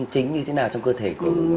chính như thế nào trong cơ thể của con người